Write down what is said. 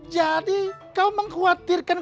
jadi kau mengkhawatirkan